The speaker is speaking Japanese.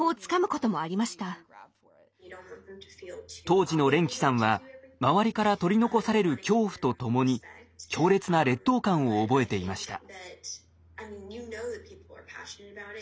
当時のレンキさんは周りから取り残される恐怖とともに強烈な劣等感を覚えていました。